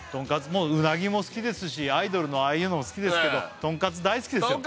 もううなぎも好きですしアイドルのああいうのも好きですけどとんかつ大好きですよ